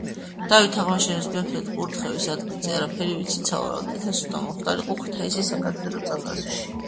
დავით აღმაშენებელის მეფედ კურთხევის ადგილზე არაფერი ვიცით, სავარაუდოდ ეს უნდა მომხდარიყო ქუთაისის საკათედრო ტაძარში.